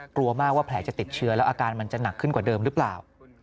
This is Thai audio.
กลัวมากว่าแผลจะติดเชื้อแล้วอาการมันจะหนักขึ้นกว่าเดิมหรือเปล่า